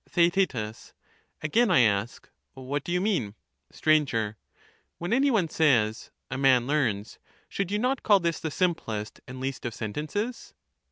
TheaeL Again I ask. What do you mean ? Str. When any one says 'A man learns,' should you not call this the simplest and least of sentences